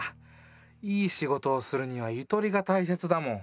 いい仕事をするにはゆとりがたいせつだもん。